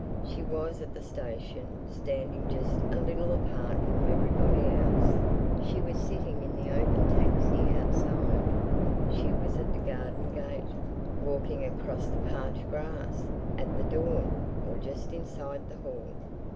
She was at the station, standing just a little apart from everybody else; she was sitting in the open taxi outside; she was at the garden gate; walking across the parched grass; at the door, or just inside the hall.